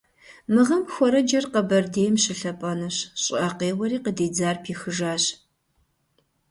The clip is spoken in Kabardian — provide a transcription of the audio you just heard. Мы гъэм хуэрэджэр Къабэрдейм щылъапӏэнущ, щӏыӏэ къеуэри къыдидзар пихыжащ.